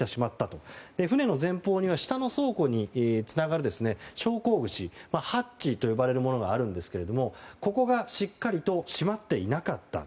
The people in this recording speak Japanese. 船の前方には下の倉庫につながる昇降口ハッチと呼ばれるものがあるんですがここがしっかりと閉まっていなかった。